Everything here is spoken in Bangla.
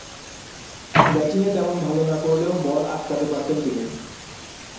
ব্যাটিংয়ে তেমন ভাল না করলেও বল আটকাতে পারতেন তিনি।